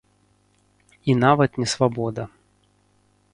І нават не свабода.